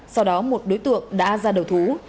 sau đó một đối tượng đã ra đầu thú